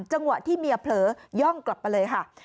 จังหวะที่เมียเผลอย่องกลับมาเลยค่ะ